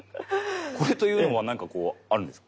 これというのは何かこうあるんですか？